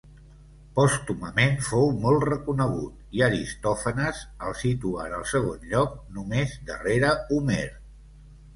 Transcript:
Pòstumament fou molt reconegut i Aristòfanes el situa en el segon lloc només darrere Homer.